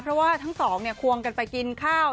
เพราะว่าทั้งสองควงกันไปกินข้าว